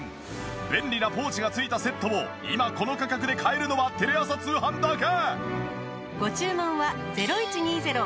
便利なポーチが付いたセットを今この価格で買えるのはテレ朝通販だけ！